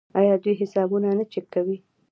آیا دوی حسابونه نه چک کوي؟